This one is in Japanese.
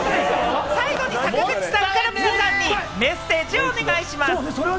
最後に坂口さんから皆さんにメッセージをお願いします。